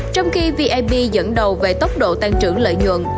trong khi vnp dẫn đầu về tốc độ tăng trưởng lợi nhuận